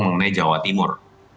mengenai jawa timur